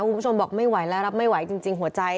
คุณผู้ชมบอกไม่ไหวแล้วรับไม่ไหวจริงหัวใจ